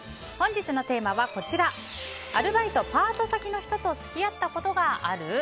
本日のテーマはアルバイト・パート先の人と付き合ったことがある？